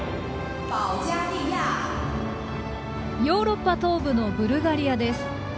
ヨーロッパ東部のブルガリアです。